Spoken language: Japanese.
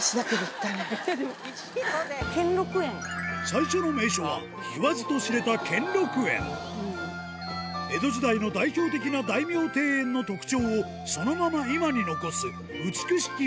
最初の名所は言わずと知れた江戸時代の代表的な大名庭園の特徴をそのまま今に残す美しき